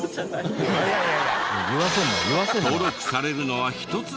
登録されるのは１つだけ。